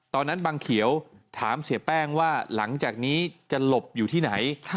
บังเขียวถามเสียแป้งว่าหลังจากนี้จะหลบอยู่ที่ไหน